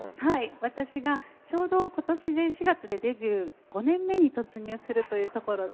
私がちょうど今年で４月でデビュー５年目に突入するというところと。